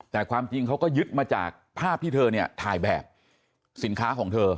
แต่ความจริงเขาก็ยึดมาจากภาพที่เธอเนี่ยถ่ายแบบสินค้าของเธอ